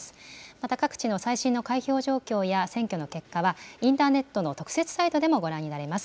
また各地の最新の開票状況や、選挙の結果は、インターネットの特設サイトでもご覧になれます。